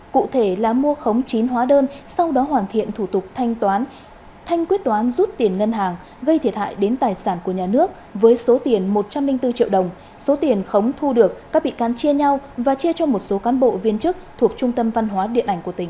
cụ thể là mua khống chín hóa đơn sau đó hoàn thiện thủ tục thanh quyết toán rút tiền ngân hàng gây thiệt hại đến tài sản của nhà nước với số tiền một trăm linh bốn triệu đồng số tiền khống thu được các bị can chia nhau và chia cho một số cán bộ viên chức thuộc trung tâm văn hóa điện ảnh của tỉnh